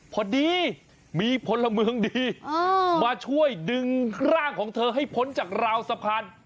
พอดีมีพลเมืองดีมาช่วยดึงร่างของเธอให้พ้นจากราวสะพาน